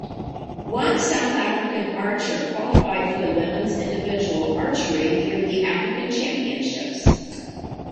One South African archer qualified for the women's individual archery through the African Championships.